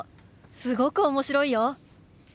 すごく面白いよ！